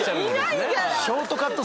ショートカット。